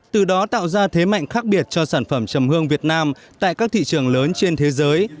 từ đó tạo ra thế mạnh khác biệt cho sản phẩm chầm hương việt nam tại các thị trường lớn trên thế giới